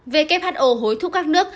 who hối thúc các nước